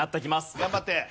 頑張って！